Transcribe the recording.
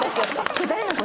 「これ誰の事？」。